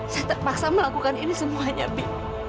saya terpaksa melakukan ini semuanya bin